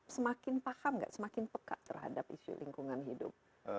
semakin paham gak semakin peka terhadap isu lingkungan hidup